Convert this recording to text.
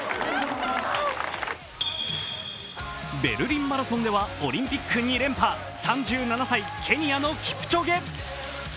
ベルリンマラソンではオリンピック２連覇、３７歳、ケニアのキプチョゲ。